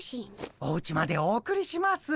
おうちまでお送りします。